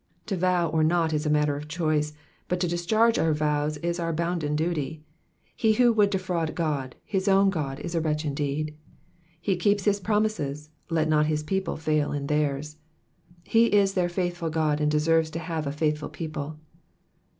To vow or not is a matter of choice, but to discharge our vows is our bounden duty. He who would defraud God, his own God, 18 a wretch indeed. He keeps his promises, let not his people fail in Digitized by VjOOQIC PSALM THE SEVEXTT SIXTH. 403 theirs. He is their faithful God and deserves to have a faithful people.